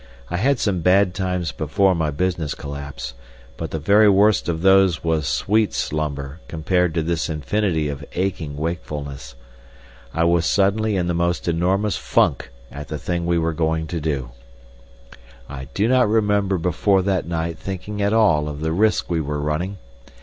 I had some bad times before my business collapse, but the very worst of those was sweet slumber compared to this infinity of aching wakefulness. I was suddenly in the most enormous funk at the thing we were going to do. I do not remember before that night thinking at all of the risks we were running.